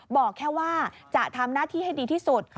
บอกแค่ว่าจะทำหน้าที่ให้ดีที่สุด